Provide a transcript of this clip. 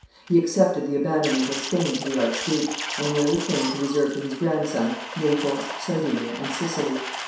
He accepted the abandonment of Spain to the archduke, and merely claimed to reserve to his grandson Naples, Sardinia, and Sicily.